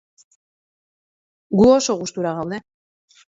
Gu oso gustura gaude.